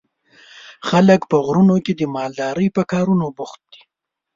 خلک په غرونو کې د مالدارۍ په کارونو بوخت دي.